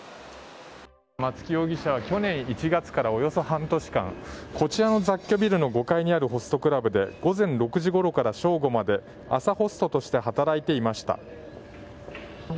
松木容疑者は去年１月からおよそ半年間こちらの雑居ビルの５階にあるホストクラブで午前６時ごろから正午まで朝ホストとして働いていました。